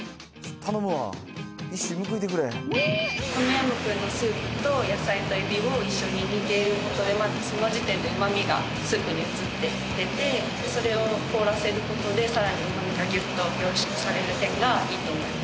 トムヤムクンのスープと野菜とエビを一緒に煮ていることでその時点でうま味がスープに移って出てそれを凍らせることでさらにうま味がぎゅっと凝縮される点がいいと思います。